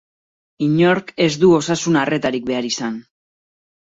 Inork ez du osasun arretarik behar izan.